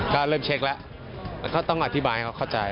ก็เริ่มเช็คแล้วแล้วก็ต้องอธิบายให้เขาเข้าใจ